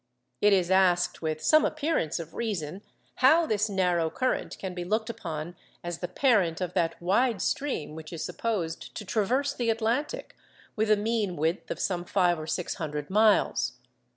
It is asked with some appearance of reason, how this narrow current can be looked upon as the parent of that wide stream which is supposed to traverse the Atlantic with a mean width of some five or six hundred miles.